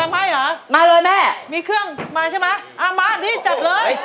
ให้ไปชิมบ้าง